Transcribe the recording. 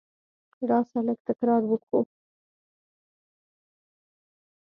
راسه! لږ تکرار وکو.